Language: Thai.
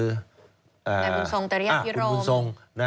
แม่บุญทรงเตรียมพิโรม